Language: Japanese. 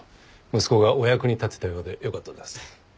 息子がお役に立てたようでよかったです。